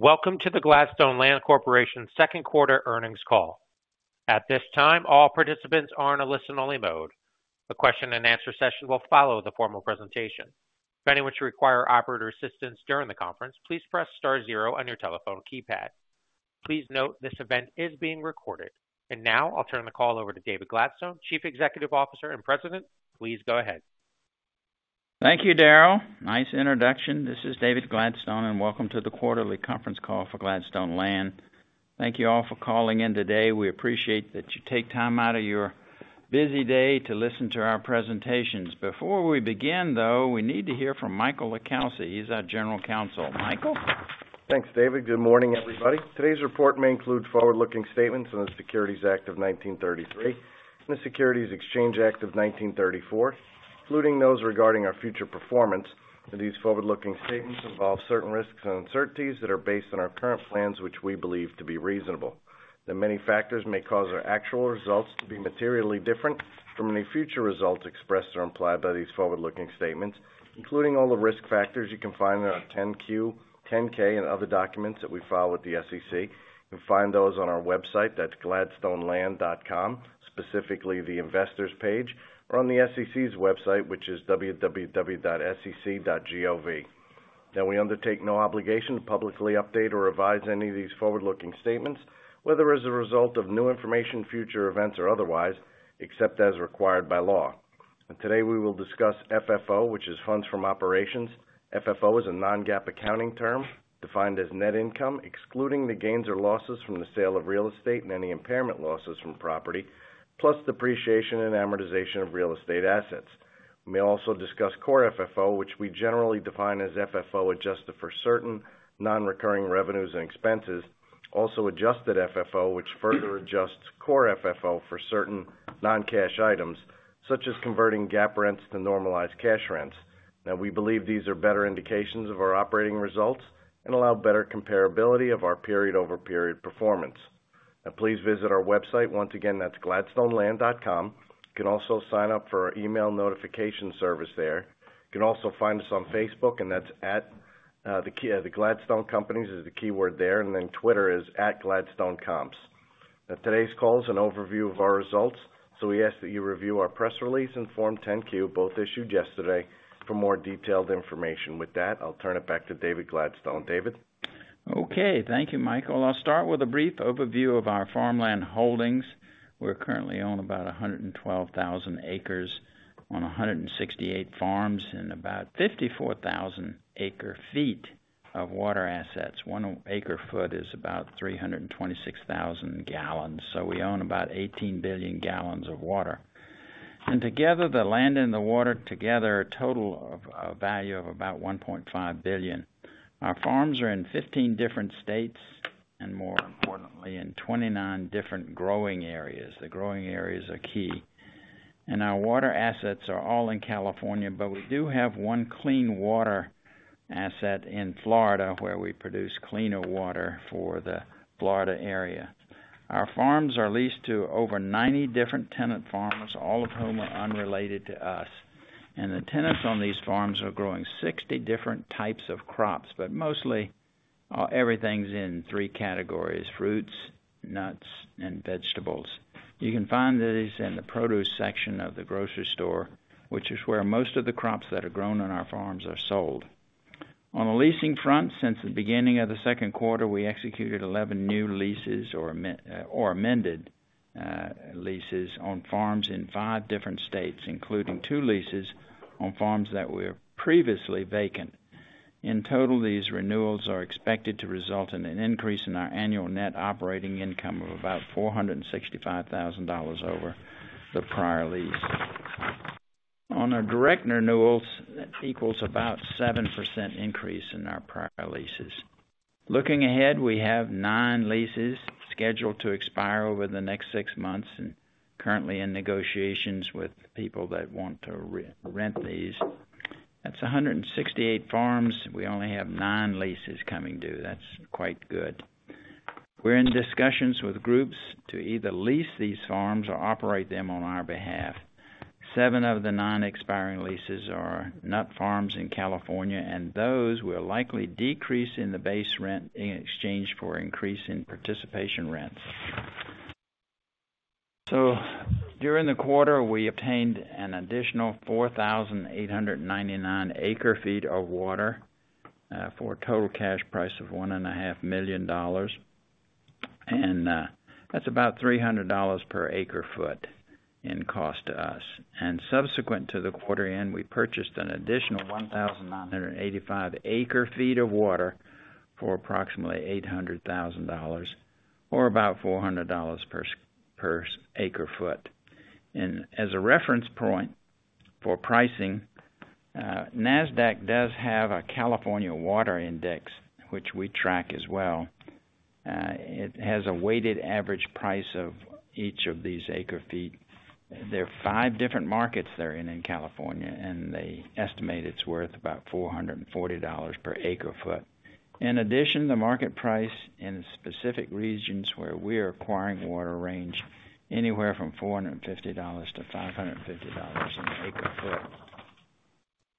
Welcome to the Gladstone Land Corporation's second quarter earnings call. At this time, all participants are in a listen-only mode. The question and answer session will follow the formal presentation. If anyone should require operator assistance during the conference, please press star zero on your telephone keypad. Please note, this event is being recorded. And now, I'll turn the call over to David Gladstone, Chief Executive Officer and President. Please go ahead. Thank you, Daryl. Nice introduction. This is David Gladstone, and welcome to the quarterly conference call for Gladstone Land. Thank you all for calling in today. We appreciate that you take time out of your busy day to listen to our presentations. Before we begin, though, we need to hear from Michael LiCalsi, he's our General Counsel. Michael? Thanks, David. Good morning, everybody. Today's report may include forward-looking statements in the Securities Act of 1933, and the Securities Exchange Act of 1934, including those regarding our future performance. These forward-looking statements involve certain risks and uncertainties that are based on our current plans, which we believe to be reasonable. That many factors may cause our actual results to be materially different from any future results expressed or implied by these forward-looking statements, including all the risk factors you can find in our 10-Q, 10-K and other documents that we file with the SEC. You can find those on our website, that's gladstoneland.com, specifically the investors page, or on the SEC's website, which is www.sec.gov. Now, we undertake no obligation to publicly update or revise any of these forward-looking statements, whether as a result of new information, future events, or otherwise, except as required by law. Today, we will discuss FFO, which is Funds from Operations. FFO is a non-GAAP accounting term, defined as net income, excluding the gains or losses from the sale of real estate and any impairment losses from property, plus depreciation and amortization of real estate assets. We may also discuss Core FFO, which we generally define as FFO, adjusted for certain non-recurring revenues and expenses. Also Adjusted FFO, which further adjusts Core FFO for certain non-cash items, such as converting GAAP rents to normalized cash rents. Now, we believe these are better indications of our operating results and allow better comparability of our period-over-period performance. Now, please visit our website. Once again, that's gladstoneland.com. You can also sign up for our email notification service there. You can also find us on Facebook, and that's at the Gladstone Companies, is the keyword there, and then Twitter is @GladstoneComps. Now, today's call is an overview of our results, so we ask that you review our press release and Form 10-Q, both issued yesterday, for more detailed information. With that, I'll turn it back to David Gladstone. David? Okay. Thank you, Michael. I'll start with a brief overview of our farmland holdings. We currently own about 112,000 acres on 168 farms, and about 54,000 acre-feet of water assets. One acre-foot is about 326,000 gallons, so we own about 18 billion gallons of water. And together, the land and the water together, a total of value of about $1.5 billion. Our farms are in 15 different states, and more importantly, in 29 different growing areas. The growing areas are key. Our water assets are all in California, but we do have one clean water asset in Florida, where we produce cleaner water for the Florida area. Our farms are leased to over 90 different tenant farmers, all of whom are unrelated to us. The tenants on these farms are growing 60 different types of crops, but mostly, everything's in three categories: fruits, nuts, and vegetables. You can find these in the produce section of the grocery store, which is where most of the crops that are grown on our farms are sold. On the leasing front, since the beginning of the second quarter, we executed 11 new leases or amended leases on farms in five different states, including two leases on farms that were previously vacant. In total, these renewals are expected to result in an increase in our annual net operating income of about $465,000 over the prior lease. On our direct renewals, that equals about 7% increase in our prior leases. Looking ahead, we have 9 leases scheduled to expire over the next six months, and currently in negotiations with people that want to re-rent these. That's 168 farms, we only have 9 leases coming due. That's quite good. We're in discussions with groups to either lease these farms or operate them on our behalf. 7 of the 9 expiring leases are nut farms in California, and those will likely decrease in the base rent in exchange for increase in participation rents. So during the quarter, we obtained an additional 4,899 acre-feet of water for a total cash price of $1.5 million. And, that's about $300 per acre-foot in cost to us. Subsequent to the quarter end, we purchased an additional 1,985 acre-feet of water for approximately $800,000 or about $400 per acre-foot. As a reference point for pricing, Nasdaq does have a California Water Index, which we track as well. It has a weighted average price of each of these acre-feet. There are five different markets they're in, in California, and they estimate it's worth about $440 per acre-foot. In addition, the market price in specific regions where we are acquiring water range anywhere from $450-$550 per acre-foot.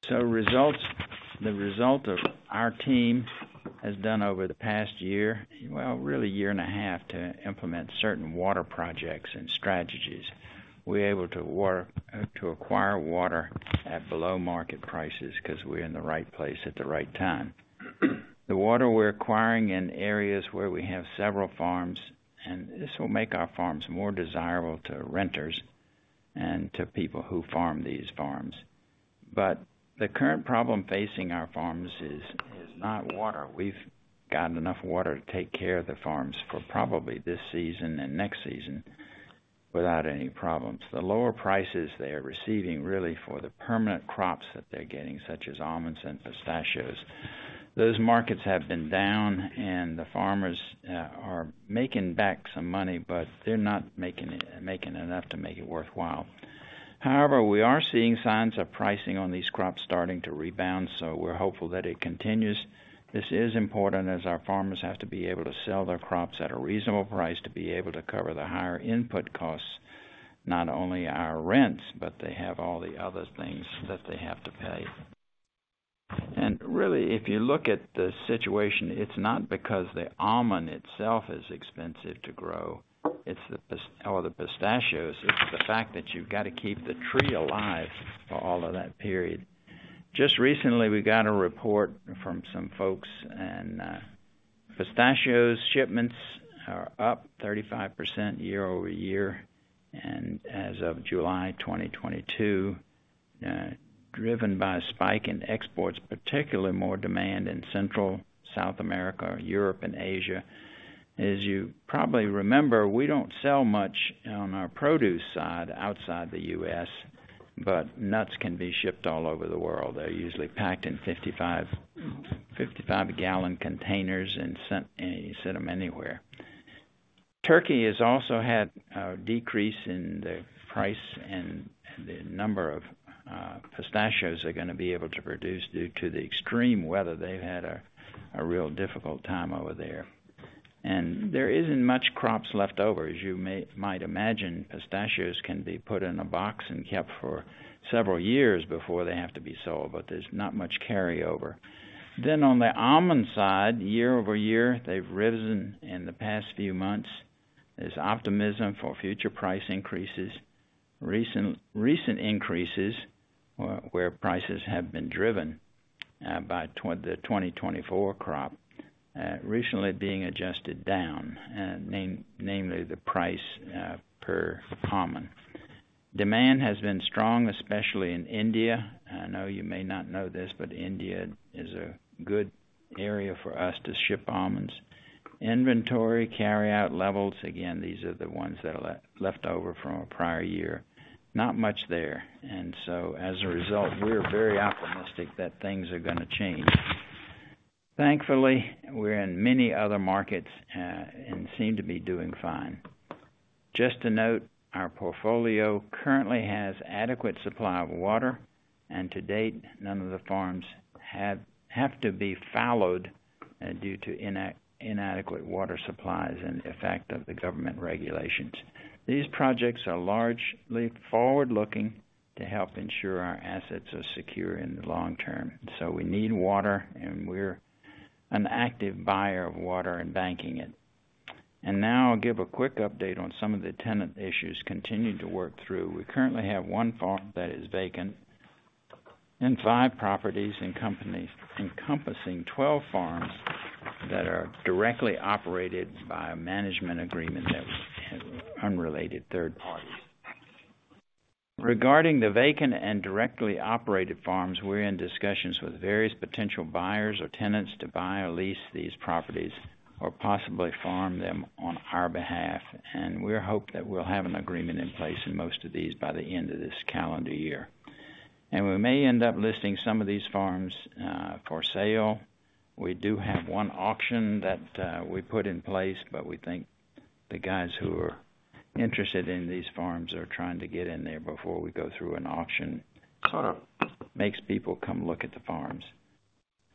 So results, the result of our team has done over the past year, well, really a year and a half, to implement certain water projects and strategies. We're able to work to acquire water at below market prices 'cause we're in the right place at the right time. The water we're acquiring in areas where we have several farms, and this will make our farms more desirable to renters and to people who farm these farms. But the current problem facing our farms is not water. We've gotten enough water to take care of the farms for probably this season and next season, without any problems. The lower prices they are receiving, really for the permanent crops that they're getting, such as almonds and pistachios, those markets have been down and the farmers are making back some money, but they're not making it, making enough to make it worthwhile. However, we are seeing signs of pricing on these crops starting to rebound, so we're hopeful that it continues. This is important as our farmers have to be able to sell their crops at a reasonable price to be able to cover the higher input costs, not only our rents, but they have all the other things that they have to pay. And really, if you look at the situation, it's not because the almond itself is expensive to grow, it's the pistachios, it's the fact that you've got to keep the tree alive for all of that period. Just recently, we got a report from some folks and pistachios shipments are up 35% year-over-year, and as of July 2022, driven by a spike in exports, particularly more demand in Central America, South America, Europe and Asia. As you probably remember, we don't sell much on our produce side outside the U.S., but nuts can be shipped all over the world. They're usually packed in 55, 55 gallon containers and sent, and you send them anywhere. Turkey has also had a decrease in the price and, and the number of pistachios they're gonna be able to produce due to the extreme weather. They've had a real difficult time over there, and there isn't much crops left over. As you might imagine, pistachios can be put in a box and kept for several years before they have to be sold, but there's not much carryover. Then on the almond side, year-over-year, they've risen in the past few months. There's optimism for future price increases. Recent increases, where prices have been driven by the 2024 crop recently being adjusted down, namely the price per almond. Demand has been strong, especially in India. I know you may not know this, but India is a good area for us to ship almonds. Inventory carryout levels, again, these are the ones that are left over from a prior year. Not much there, and so as a result, we're very optimistic that things are gonna change. Thankfully, we're in many other markets, and seem to be doing fine. Just to note, our portfolio currently has adequate supply of water, and to date, none of the farms have to be fallowed due to inadequate water supplies and effect of the government regulations. These projects are largely forward-looking to help ensure our assets are secure in the long term, so we need water, and we're an active buyer of water and banking it. Now I'll give a quick update on some of the tenant issues continuing to work through. We currently have one farm that is vacant and five properties and companies, encompassing 12 farms that are directly operated by a management agreement that we have unrelated third parties. Regarding the vacant and directly operated farms, we're in discussions with various potential buyers or tenants to buy or lease these properties, or possibly farm them on our behalf, and we hope that we'll have an agreement in place in most of these by the end of this calendar year. We may end up listing some of these farms for sale. We do have one auction that we put in place, but we think the guys who are interested in these farms are trying to get in there before we go through an auction. Kind of makes people come look at the farms.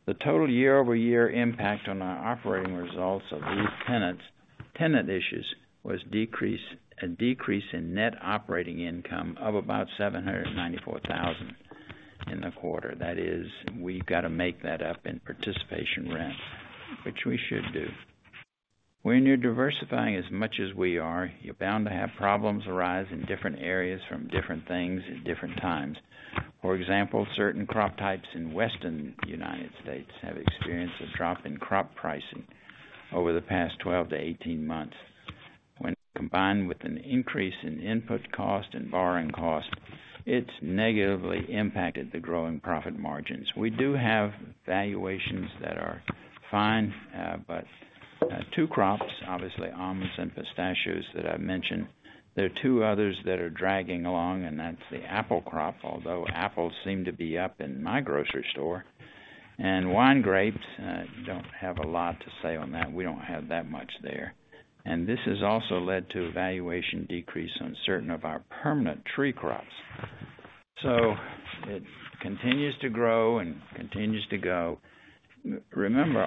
The total year-over-year impact on our operating results of these tenants, tenant issues, was decrease, a decrease in net operating income of about $794,000 in the quarter. That is, we've got to make that up in participation rent, which we should do. When you're diversifying as much as we are, you're bound to have problems arise in different areas, from different things, at different times. For example, certain crop types in western United States have experienced a drop in crop pricing over the past 12-18 months. When combined with an increase in input cost and borrowing costs, it's negatively impacted the growing profit margins. We do have valuations that are fine, but, two crops, obviously, almonds and pistachios that I've mentioned. There are two others that are dragging along, and that's the apple crop, although apples seem to be up in my grocery store. Wine grapes don't have a lot to say on that. We don't have that much there. This has also led to a valuation decrease on certain of our permanent tree crops. So it continues to grow and continues to go. Remember,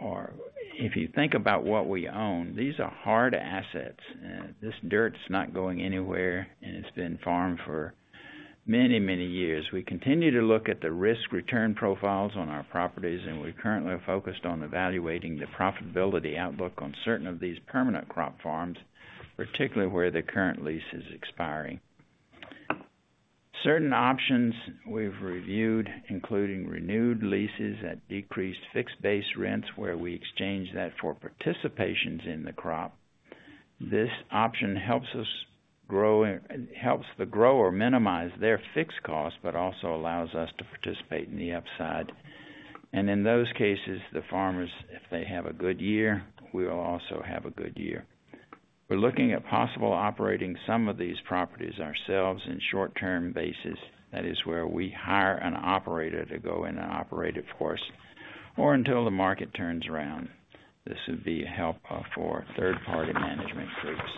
or if you think about what we own, these are hard assets. This dirt's not going anywhere, and it's been farmed for many, many years. We continue to look at the risk-return profiles on our properties, and we currently are focused on evaluating the profitability outlook on certain of these permanent crop farms, particularly where the current lease is expiring. Certain options we've reviewed, including renewed leases at decreased fixed base rents, where we exchange that for participations in the crop. This option helps the grower minimize their fixed costs, but also allows us to participate in the upside. And in those cases, the farmers, if they have a good year, we will also have a good year. We're looking at possible operating some of these properties ourselves in short-term basis. That is where we hire an operator to go in and operate it for us or until the market turns around. This would be help for third-party management groups.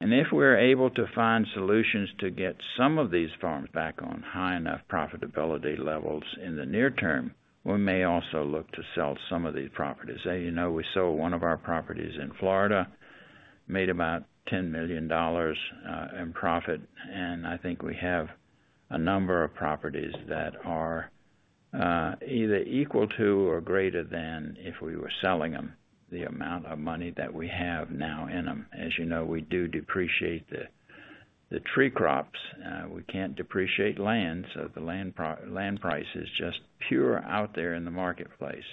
And if we're able to find solutions to get some of these farms back on high enough profitability levels in the near term, we may also look to sell some of these properties. As you know, we sold one of our properties in Florida, made about $10 million in profit, and I think we have a number of properties that are either equal to or greater than if we were selling them, the amount of money that we have now in them. As you know, we do depreciate the tree crops. We can't depreciate land, so the land price is just pure out there in the marketplace.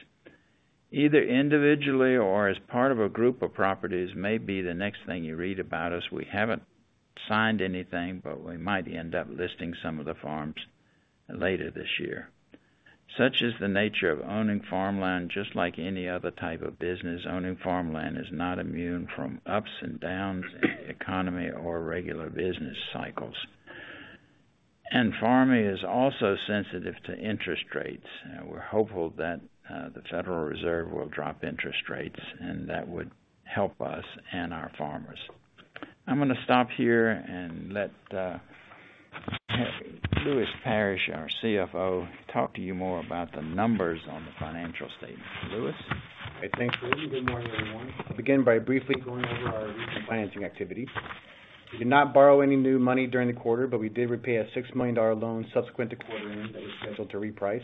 Either individually or as part of a group of properties, may be the next thing you read about us. We haven't signed anything, but we might end up listing some of the farms later this year. Such is the nature of owning farmland. Just like any other type of business, owning farmland is not immune from ups and downs in the economy or regular business cycles. Farming is also sensitive to interest rates. We're hopeful that the Federal Reserve will drop interest rates, and that would help us and our farmers. I'm gonna stop here and let Lewis Parrish, our CFO, talk to you more about the numbers on the financial statement. Lewis? Hey, thanks, [inaudible. Good morning, everyone. I'll begin by briefly going over our recent financing activity. We did not borrow any new money during the quarter, but we did repay a $6 million loan subsequent to quarter end that was scheduled to reprice.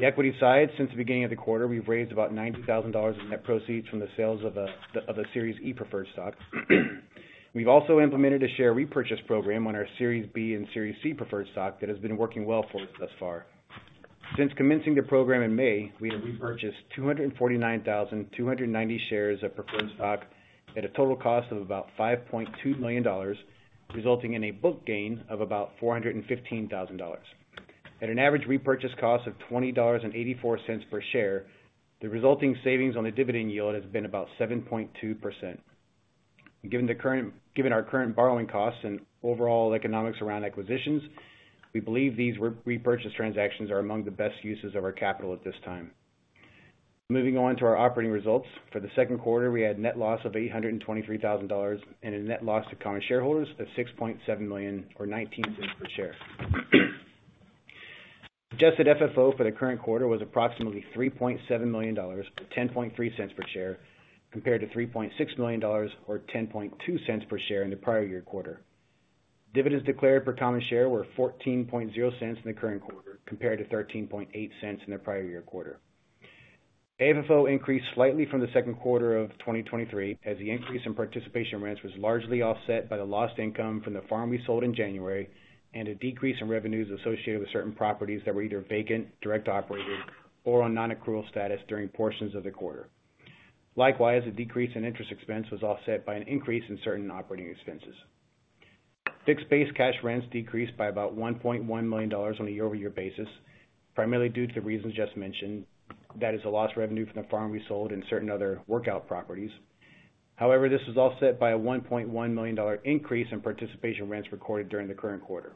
The equity side, since the beginning of the quarter, we've raised about $90,000 in net proceeds from the sales of the Series E preferred stock. We've also implemented a share repurchase program on our Series B and Series C preferred stock that has been working well for us thus far. Since commencing the program in May, we have repurchased 249,290 shares of preferred stock at a total cost of about $5.2 million, resulting in a book gain of about $415,000. At an average repurchase cost of $20.84 per share, the resulting savings on the dividend yield has been about 7.2%. Given our current borrowing costs and overall economics around acquisitions, we believe these repurchase transactions are among the best uses of our capital at this time. Moving on to our operating results. For the second quarter, we had net loss of $823,000 and a net loss to common shareholders of $6.7 million or $0.19 per share. Adjusted FFO for the current quarter was approximately $3.7 million, or $0.103 per share, compared to $3.6 million or $0.102 per share in the prior year quarter. Dividends declared per common share were $0.14 in the current quarter, compared to $0.138 in the prior year quarter. AFFO increased slightly from the second quarter of 2023, as the increase in participation rents was largely offset by the lost income from the farm we sold in January, and a decrease in revenues associated with certain properties that were either vacant, directly operated, or on non-accrual status during portions of the quarter. Likewise, the decrease in interest expense was offset by an increase in certain operating expenses. Fixed base cash rents decreased by about $1.1 million on a year-over-year basis, primarily due to the reasons just mentioned. That is a lost revenue from the farm we sold and certain other workout properties. However, this was offset by a $1.1 million increase in participation rents recorded during the current quarter.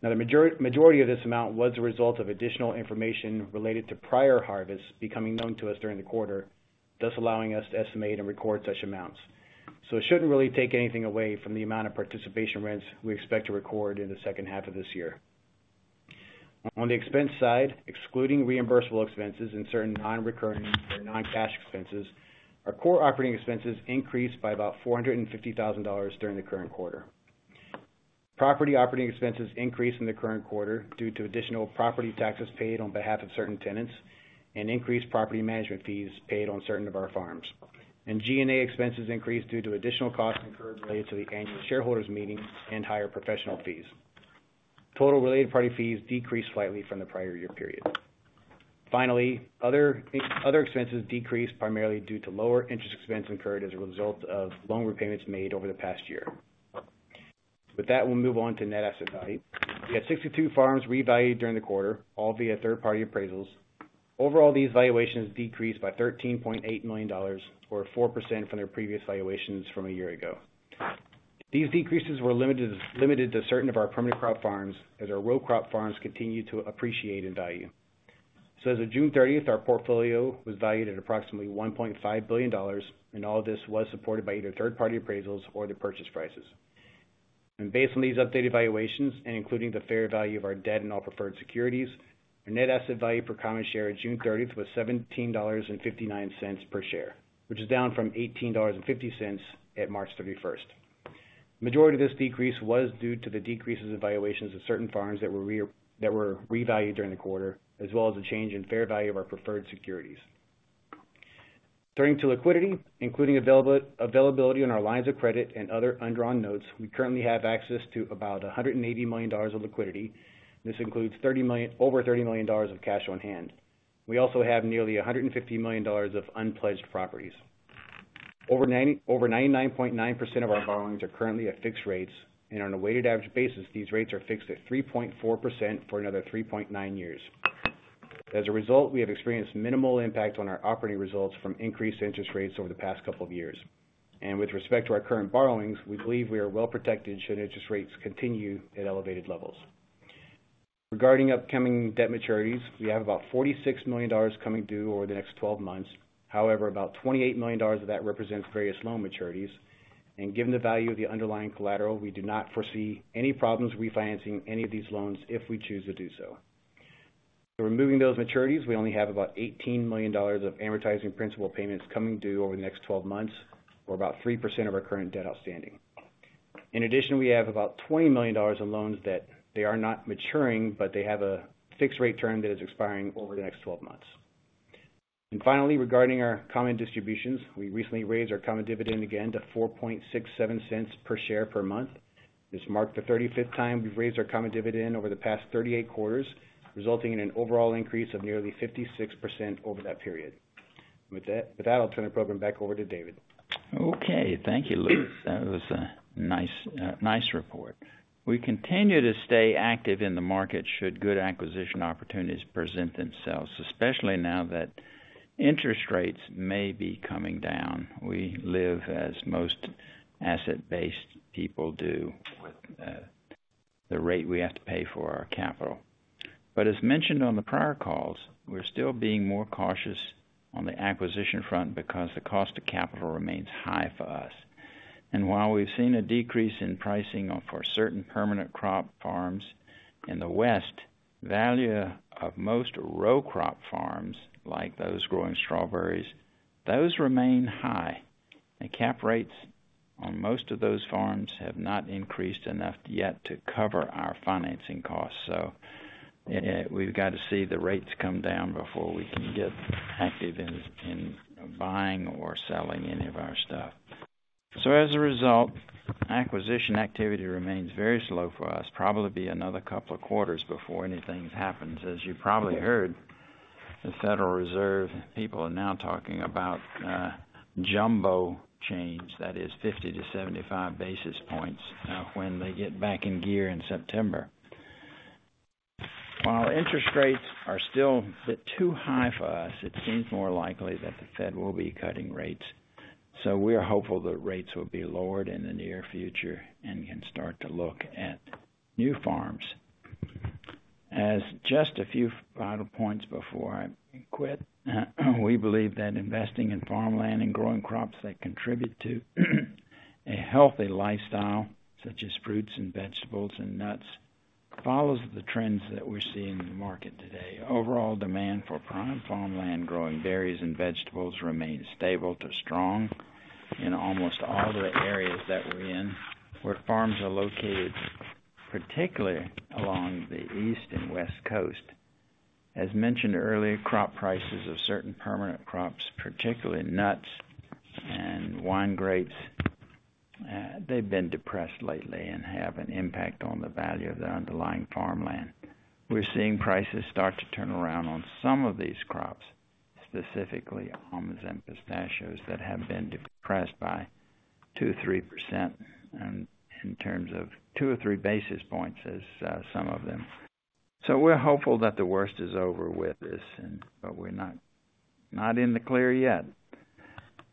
Now, the majority of this amount was a result of additional information related to prior harvests becoming known to us during the quarter, thus allowing us to estimate and record such amounts. So it shouldn't really take anything away from the amount of participation rents we expect to record in the second half of this year. On the expense side, excluding reimbursable expenses and certain non-recurring or non-cash expenses, our core operating expenses increased by about $450,000 during the current quarter. Property operating expenses increased in the current quarter due to additional property taxes paid on behalf of certain tenants and increased property management fees paid on certain of our farms. G&A expenses increased due to additional costs incurred related to the annual shareholders meeting and higher professional fees. Total related party fees decreased slightly from the prior year period. Finally, other expenses decreased primarily due to lower interest expense incurred as a result of loan repayments made over the past year. With that, we'll move on to Net Asset Value. We had 62 farms revalued during the quarter, all via third-party appraisals. Overall, these valuations decreased by $13.8 million, or 4% from their previous valuations from a year ago. These decreases were limited to certain of our permanent crop farms, as our row crop farms continued to appreciate in value. So as of June 30th, our portfolio was valued at approximately $1.5 billion, and all of this was supported by either third-party appraisals or the purchase prices. Based on these updated valuations, and including the fair value of our debt and all preferred securities, our Net Asset Value per common share at June 30 was $17.59 per share, which is down from $18.50 at March 31. The majority of this decrease was due to the decreases in valuations of certain farms that were revalued during the quarter, as well as the change in fair value of our preferred securities. Turning to liquidity, including availability on our lines of credit and other undrawn notes, we currently have access to about $180 million of liquidity. This includes over $30 million of cash on hand. We also have nearly $150 million of unpledged properties. Over 99.9% of our borrowings are currently at fixed rates, and on a weighted average basis, these rates are fixed at 3.4% for another 3.9 years. As a result, we have experienced minimal impact on our operating results from increased interest rates over the past couple of years. With respect to our current borrowings, we believe we are well protected should interest rates continue at elevated levels. Regarding upcoming debt maturities, we have about $46 million coming due over the next 12 months. However, about $28 million of that represents various loan maturities, and given the value of the underlying collateral, we do not foresee any problems refinancing any of these loans if we choose to do so. So removing those maturities, we only have about $18 million of amortizing principal payments coming due over the next 12 months, or about 3% of our current debt outstanding. In addition, we have about $20 million in loans that they are not maturing, but they have a fixed rate term that is expiring over the next 12 months. And finally, regarding our common distributions, we recently raised our common dividend again to $0.0467 per share per month. This marked the 35th time we've raised our common dividend over the past 38 quarters, resulting in an overall increase of nearly 56% over that period. With that, with that, I'll turn the program back over to David. Okay, thank you, Lewis. That was a nice, nice report. We continue to stay active in the market, should good acquisition opportunities present themselves, especially now that interest rates may be coming down. We live, as most asset-based people do, with, the rate we have to pay for our capital. But as mentioned on the prior calls, we're still being more cautious on the acquisition front because the cost of capital remains high for us. And while we've seen a decrease in pricing for certain permanent crop farms in the West, the value of most row crop farms, like those growing strawberries, those remain high, and cap rates on most of those farms have not increased enough yet to cover our financing costs. So we've got to see the rates come down before we can get active in, in buying or selling any of our stuff. So as a result, acquisition activity remains very slow for us. Probably be another couple of quarters before anything happens. As you probably heard, the Federal Reserve people are now talking about jumbo change, that is 50-75 basis points, when they get back in gear in September. While interest rates are still a bit too high for us, it seems more likely that the Fed will be cutting rates. So we are hopeful that rates will be lowered in the near future and can start to look at new farms. As just a few final points before I quit, we believe that investing in farmland and growing crops that contribute to a healthy lifestyle, such as fruits and vegetables and nuts, follows the trends that we're seeing in the market today. Overall demand for prime farmland, growing berries and vegetables remains stable to strong in almost all the areas that we're in, where farms are located, particularly along the East and West Coast. As mentioned earlier, crop prices of certain permanent crops, particularly nuts and wine grapes, they've been depressed lately and have an impact on the value of the underlying farmland. We're seeing prices start to turn around on some of these crops, specifically almonds and pistachios, that have been depressed by 2%-3%, and in terms of 2 or 3 basis points, as some of them. So we're hopeful that the worst is over with this, and but we're not, not in the clear yet.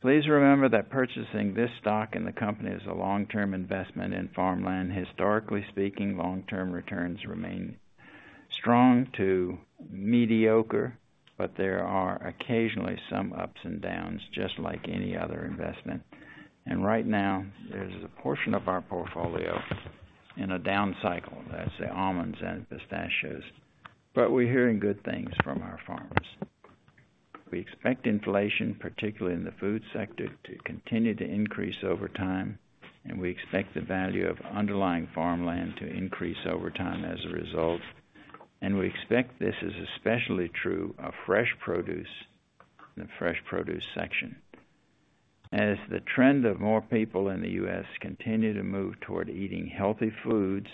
Please remember that purchasing this stock and the company is a long-term investment in farmland. Historically speaking, long-term returns remain strong to mediocre, but there are occasionally some ups and downs, just like any other investment. Right now, there's a portion of our portfolio in a down cycle, that's the almonds and pistachios, but we're hearing good things from our farmers. We expect inflation, particularly in the food sector, to continue to increase over time, and we expect the value of underlying farmland to increase over time as a result. We expect this is especially true of fresh produce, in the fresh produce section. As the trend of more people in the U.S. continue to move toward eating healthy foods,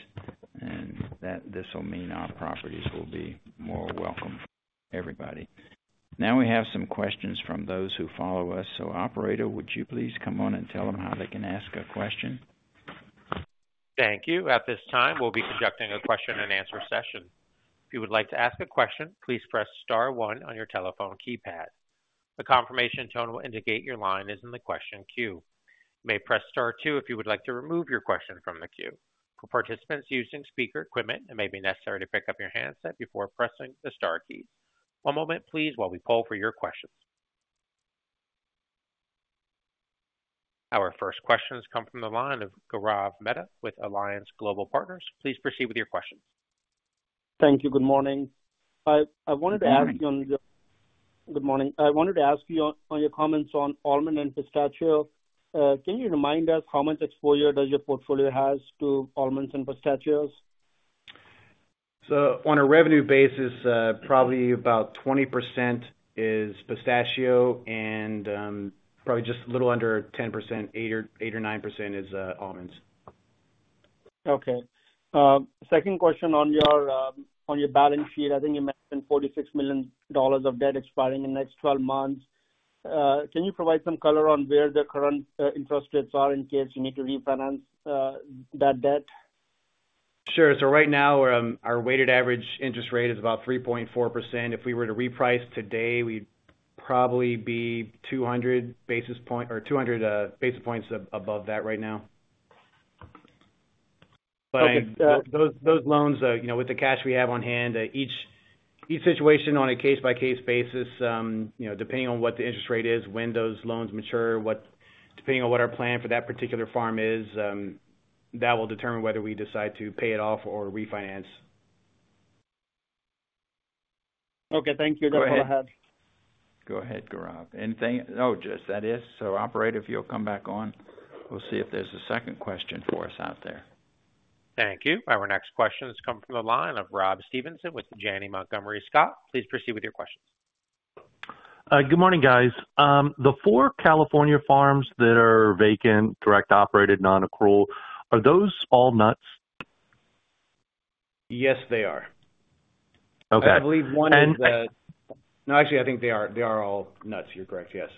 and that this will mean our properties will be more welcome to everybody. Now, we have some questions from those who follow us. Operator, would you please come on and tell them how they can ask a question? Thank you. At this time, we'll be conducting a question-and-answer session. If you would like to ask a question, please press star one on your telephone keypad. The confirmation tone will indicate your line is in the question queue. You may press star two if you would like to remove your question from the queue. For participants using speaker equipment, it may be necessary to pick up your handset before pressing the star key. One moment please, while we poll for your questions. Our first questions come from the line of Gaurav Mehta with Alliance Global Partners. Please proceed with your questions. Thank you. Good morning. I wanted to ask you on the- Good morning. Good morning. I wanted to ask you on, on your comments on almond and pistachio. Can you remind us how much exposure does your portfolio has to almonds and pistachios? So on a revenue basis, probably about 20% is pistachio and, probably just a little under 10%, 8% or 9% is almonds. Okay. Second question on your balance sheet, I think you mentioned $46 million of debt expiring in the next 12 months. Can you provide some color on where the current interest rates are in case you need to refinance that debt? Sure. So right now, our weighted average interest rate is about 3.4%. If we were to reprice today, we'd probably be 200 basis point or 200 basis points above that right now. Okay. But those loans, you know, with the cash we have on hand, each situation on a case-by-case basis, you know, depending on what the interest rate is, when those loans mature, what... Depending on what our plan for that particular farm is, that will determine whether we decide to pay it off or refinance. Okay, thank you. Go ahead. Go ahead. Go ahead, Gaurav. Anything? No, just that is. So, operator, if you'll come back on, we'll see if there's a second question for us out there. Thank you. Our next question has come from the line of Rob Stevenson with Janney Montgomery Scott. Please proceed with your questions. Good morning, guys. The four California farms that are vacant, direct operated, nonaccrual, are those all nuts? Yes, they are. Okay. I believe one is the- And- No, actually, I think they are, they are all nuts. You're correct, yes.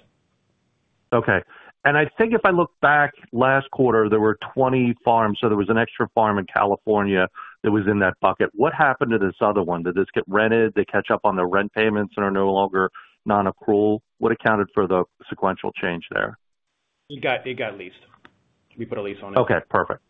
Okay. And I think if I look back last quarter, there were 20 farms, so there was an extra farm in California that was in that bucket. What happened to this other one? Did this get rented? They catch up on the rent payments and are no longer non-accrual. What accounted for the sequential change there? It got leased. We put a lease on it. Okay, perfect.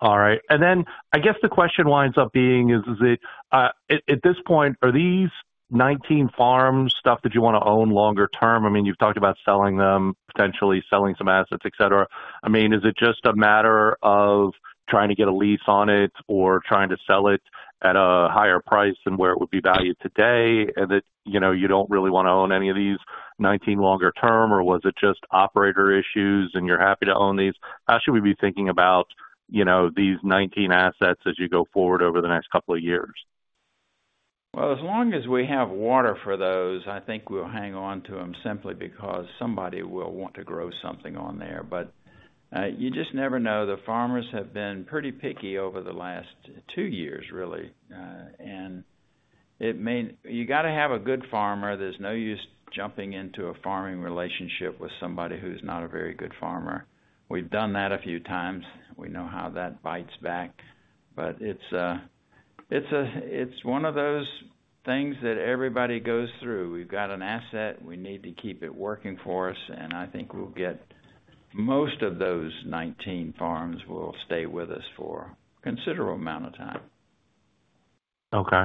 All right. And then I guess the question winds up being, is it at this point, are these 19 farms stuff that you want to own longer term? I mean, you've talked about selling them, potentially selling some assets, et cetera. I mean, is it just a matter of trying to get a lease on it or trying to sell it at a higher price than where it would be valued today, and that, you know, you don't really want to own any of these 19 longer term, or was it just operator issues and you're happy to own these? How should we be thinking about, you know, these 19 assets as you go forward over the next couple of years? Well, as long as we have water for those, I think we'll hang on to them simply because somebody will want to grow something on there. But, you just never know. The farmers have been pretty picky over the last two years, really. You got to have a good farmer. There's no use jumping into a farming relationship with somebody who's not a very good farmer. We've done that a few times. We know how that bites back, but it's one of those things that everybody goes through. We've got an asset, we need to keep it working for us, and I think we'll get most of those 19 farms will stay with us for a considerable amount of time. Okay.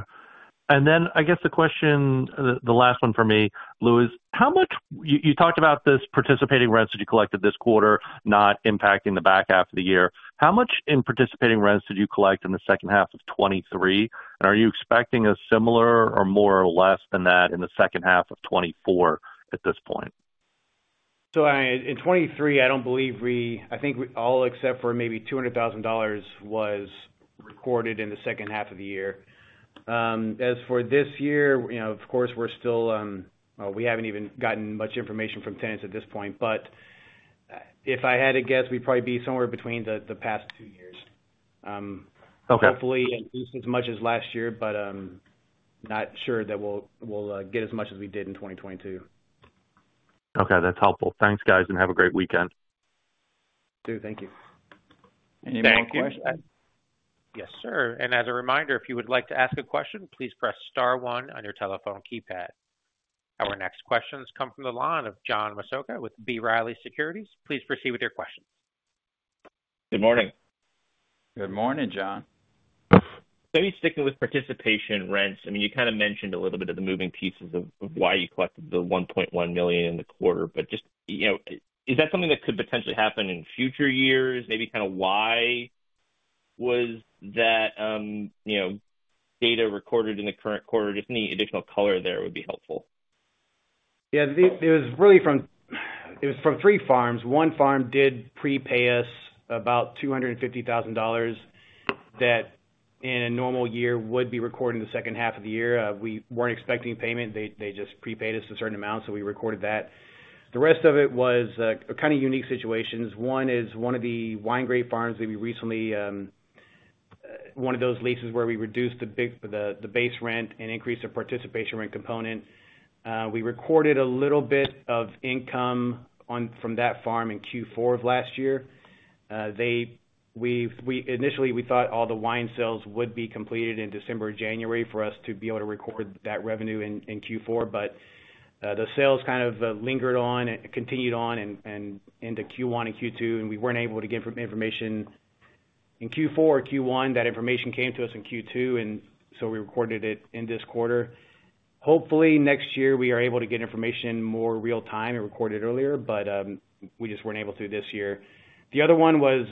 And then I guess the question, the last one for me, Lewis, how much... You talked about this participating rents that you collected this quarter, not impacting the back half of the year. How much in participating rents did you collect in the second half of 2023? And are you expecting a similar or more or less than that in the second half of 2024 at this point? So, in 2023, I don't believe we. I think all except for maybe $200,000 was recorded in the second half of the year. As for this year, you know, of course, we're still, we haven't even gotten much information from tenants at this point, but if I had to guess, we'd probably be somewhere between the past two years. Okay. Hopefully, at least as much as last year, but not sure that we'll get as much as we did in 2022. Okay, that's helpful. Thanks, guys, and have a great weekend. You too. Thank you. Any more questions? Thank you. Yes, sir. As a reminder, if you would like to ask a question, please press star one on your telephone keypad. Our next question comes from the line of John Massocca with B. Riley Securities. Please proceed with your question. Good morning. Good morning, John. Maybe sticking with participation rents, I mean, you kind of mentioned a little bit of the moving pieces of, of why you collected the $1.1 million in the quarter, but just, you know, is that something that could potentially happen in future years? Maybe kind of why was that recorded in the current quarter? Just any additional color there would be helpful. Yeah, it was really from three farms. One farm did prepay us about $250,000 that, in a normal year, would be recorded in the second half of the year. We weren't expecting payment. They just prepaid us a certain amount, so we recorded that. The rest of it was a kind of unique situations. One is one of the wine grape farms that we recently one of those leases where we reduced the base rent and increased the participation rent component. We recorded a little bit of income from that farm in Q4 of last year. We initially thought all the wine sales would be completed in December or January for us to be able to record that revenue in Q4, but the sales kind of lingered on and continued on and into Q1 and Q2, and we weren't able to get information in Q4 or Q1. That information came to us in Q2, and so we recorded it in this quarter. Hopefully, next year we are able to get information more real time and record it earlier, but we just weren't able to this year. The other one was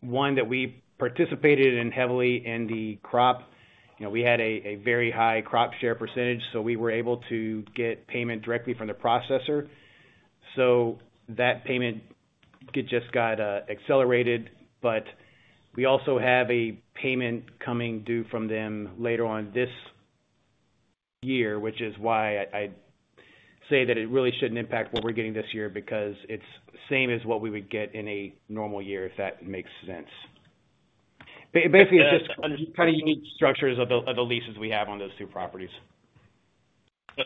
one that we participated in heavily in the crop. You know, we had a very high crop share percentage, so we were able to get payment directly from the processor. So that payment, it just got accelerated. But we also have a payment coming due from them later on this year, which is why I say that it really shouldn't impact what we're getting this year, because it's the same as what we would get in a normal year, if that makes sense. Basically, it's just kind of unique structures of the leases we have on those two properties.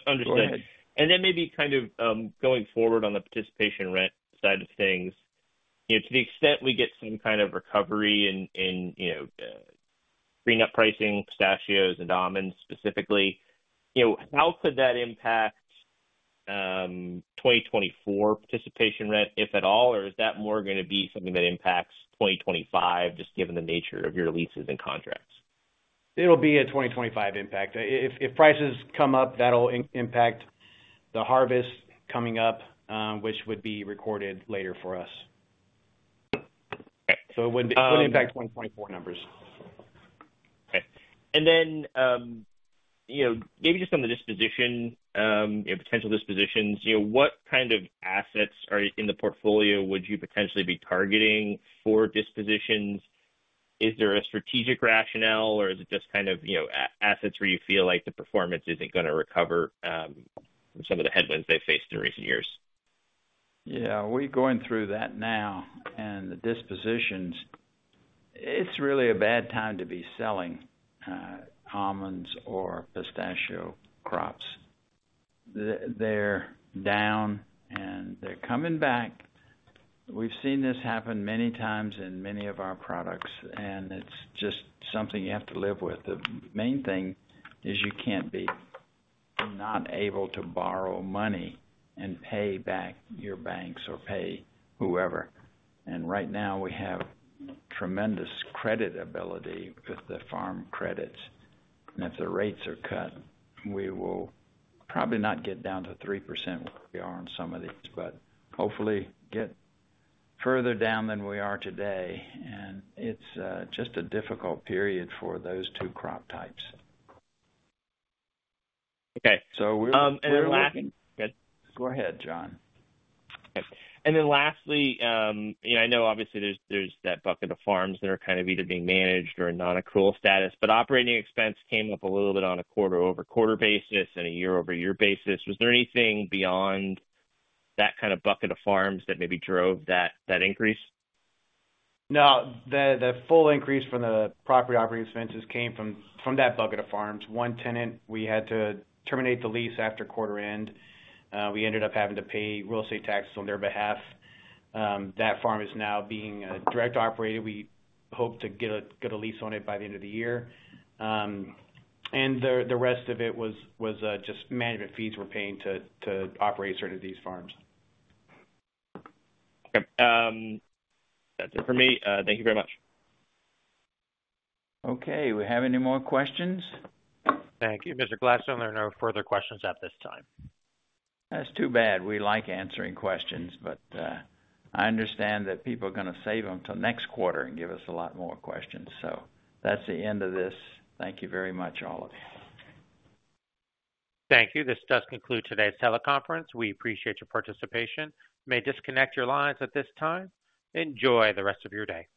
Understood. Go ahead. And then maybe kind of going forward on the participation rent side of things, you know, to the extent we get some kind of recovery in you know green up pricing, pistachios and almonds specifically, you know, how could that impact 2024 participation rent, if at all? Or is that more gonna be something that impacts 2025, just given the nature of your leases and contracts? It'll be a 2025 impact. If prices come up, that'll impact the harvest coming up, which would be recorded later for us. Okay. It wouldn't impact 2024 numbers. Okay. And then, you know, maybe just on the disposition, you know, potential dispositions, you know, what kind of assets are in the portfolio would you potentially be targeting for dispositions? Is there a strategic rationale, or is it just kind of, you know, assets where you feel like the performance isn't gonna recover, from some of the headwinds they've faced in recent years? Yeah, we're going through that now. The dispositions, it's really a bad time to be selling almonds or pistachio crops. They're down and they're coming back. We've seen this happen many times in many of our products, and it's just something you have to live with. The main thing is you can't be not able to borrow money and pay back your banks or pay whoever. Right now, we have tremendous credit ability with the Farm Credit. If the rates are cut, we will probably not get down to 3% where we are on some of these, but hopefully get further down than we are today. It's just a difficult period for those two crop types. Okay. So we're- and then last- Go ahead, John. Okay. And then lastly, you know, I know obviously there's, there's that bucket of farms that are kind of either being managed or in non-accrual status, but operating expense came up a little bit on a quarter-over-quarter basis and a year-over-year basis. Was there anything beyond that kind of bucket of farms that maybe drove that, that increase? No, the full increase from the property operating expenses came from that bucket of farms. One tenant, we had to terminate the lease after quarter end. We ended up having to pay real estate taxes on their behalf. That farm is now being direct operated. We hope to get a lease on it by the end of the year. And the rest of it was just management fees we're paying to operate sort of these farms. Okay, that's it for me. Thank you very much. Okay. Do we have any more questions? Thank you. Mr. Gladstone, there are no further questions at this time. That's too bad. We like answering questions, but I understand that people are gonna save them till next quarter and give us a lot more questions. So that's the end of this. Thank you very much, all of you. Thank you. This does conclude today's teleconference. We appreciate your participation. You may disconnect your lines at this time. Enjoy the rest of your day.